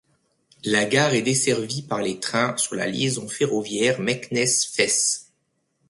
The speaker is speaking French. La gare est desservie par les trains sur la liaison ferroviaire Meknès-Fès.